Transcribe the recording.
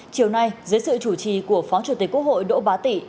chiều nay dưới sự chủ trì của phó chủ tịch quốc hội đỗ bá tị